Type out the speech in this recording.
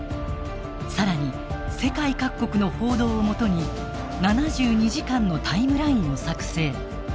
更に世界各国の報道をもとに７２時間のタイムラインを作成。